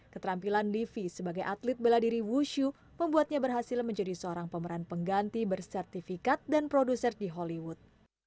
keterampilan livi sebagai atlet bela diri wushu membuatnya berhasil menjadi seorang pemeran pengganti bersertifikat dan produser di hollywood